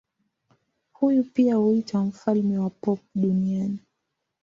Huyu pia huitwa mfalme wa pop duniani.